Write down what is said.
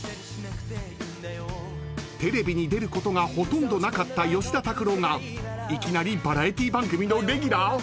［テレビに出ることがほとんどなかった吉田拓郎がいきなりバラエティー番組のレギュラー⁉］